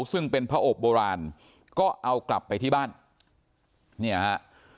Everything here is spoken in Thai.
ซึ่งเป็นพระอบโบราณก็เอากลับไปที่บ้านเนี่ยฮะ